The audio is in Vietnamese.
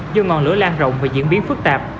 do ngọn lửa lan rộng và diễn biến phức tạp